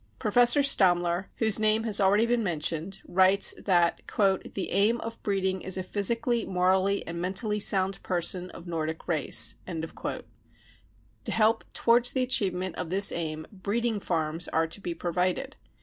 Professor Stammler, whose name has already been mentioned, writes that 44 The aim of breeding i& a physically, morally and mentally sound person of Nordic race. 5 ' To help towards the achievement of this aim " breeding farms 55 are to be provided.